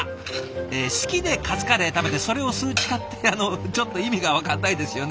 え好きでカツカレー食べてそれを数値化ってあのちょっと意味が分かんないですよね。